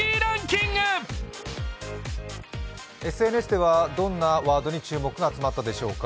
ＳＮＳではどんなワードに注目が集まったでしょうか。